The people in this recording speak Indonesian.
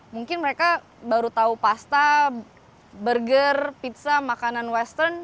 mungkin mereka baru tahu pasta burger pizza makanan western